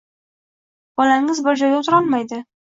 Bolangiz bir joyda o‘tira olmaydi